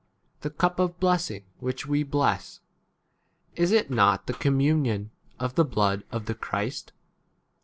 16 The cup of blessing which we bless, is it not [the] communion of the blood of the Christ